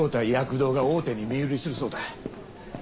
医薬堂が大手に身売りするそうだ。